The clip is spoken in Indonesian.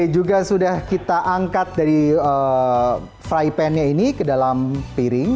juga sudah kita angkat dari fry pan nya ini ke dalam piring